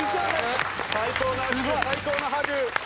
最高の握手最高のハグ！